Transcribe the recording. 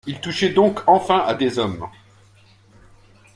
Il touchait donc enfin à des hommes.